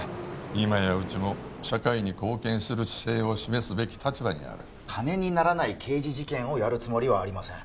・今やうちも社会に貢献する姿勢を示すべき立場にある金にならない刑事事件をやるつもりはありません